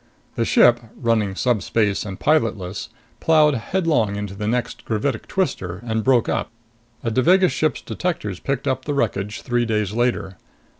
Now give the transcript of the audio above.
The ship, running subspace and pilotless, plowed headlong into the next gravitic twister and broke up. A Devagas ship's detectors picked up the wreckage three days later.